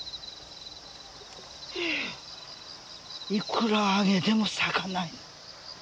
いくらあげても咲かない。